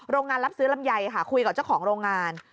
โรงงานรับซื้อลำไยค่ะคุยกับเจ้าของโรงงาน